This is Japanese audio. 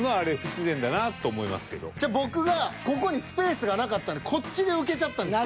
僕は僕がここにスペースがなかったんでこっちで受けちゃったんですよ。